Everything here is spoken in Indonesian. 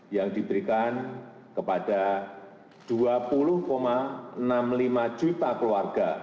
yang diberikan kepada dua puluh enam puluh lima juta keluarga